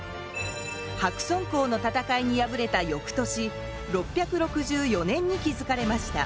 白村江の戦いに敗れた翌年６６４年に築かれました。